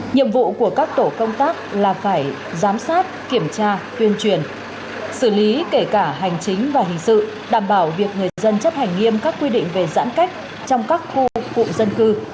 nhiệm vụ của các tổ công tác là phải giám sát kiểm tra tuyên truyền xử lý kể cả hành chính và hình sự đảm bảo việc người dân chấp hành nghiêm các quy định về giãn cách trong các khu cụm dân cư